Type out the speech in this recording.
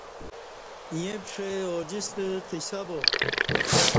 ییں پشئ اوجستہ قصہ با